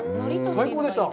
最高でした。